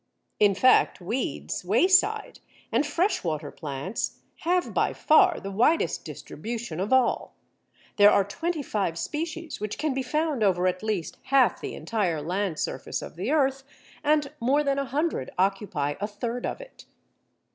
In fact weeds, wayside, and freshwater plants, have by far the widest distribution of all. There are twenty five species which can be found over at least half the entire land surface of the earth, and more than a hundred occupy a third of it.